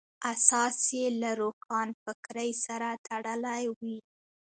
اساس یې له روښانفکرۍ سره تړلی وي.